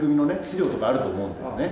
資料とかあると思うんですね。